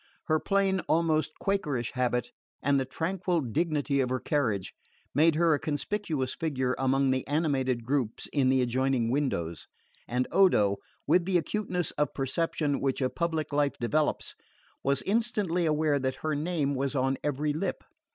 Her plain, almost Quakerish habit, and the tranquil dignity of her carriage, made her a conspicuous figure among the animated groups in the adjoining windows, and Odo, with the acuteness of perception which a public life develops, was instantly aware that her name was on every lip.